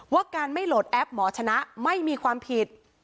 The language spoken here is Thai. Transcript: ว่าการไม่โหลดแอปหมอชนะไม่มีความผิด